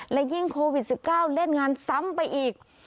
และยิ่งโควิด๑๙เล่นงานซ้ำไปอีก